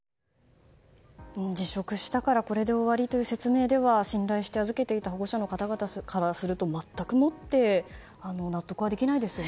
辞職したからこれで終わりという説明では信頼して預けていた保護者の方々からすると全くもって納得はできないですよね。